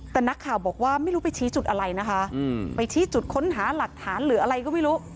แต่นักข่าวบอกว่าไม่รู้ไปชี้จุดอะไรนะคะไปชี้จุดค้นหาหลักฐานหรืออะไรก็ไม่รู้